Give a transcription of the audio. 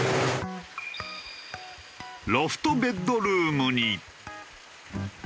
ロフトベッドルームに。